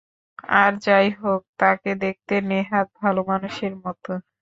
আর যাই হোক, তাকে দেখতে নেহাত ভালোমানুষের মতো।